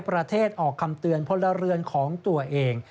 ประเทศออกคำเตือนพลเรือนของตัวเอง